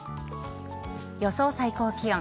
予想最高気温。